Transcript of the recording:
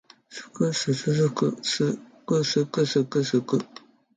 skskksksksks